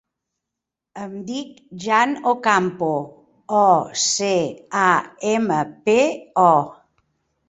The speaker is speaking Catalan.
Em dic Jan Ocampo: o, ce, a, ema, pe, o.